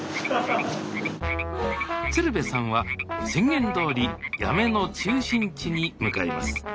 鶴瓶さんは宣言どおり八女の中心地に向かいます